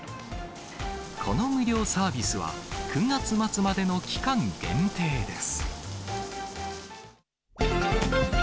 この無料サービスは、９月末までの期間限定です。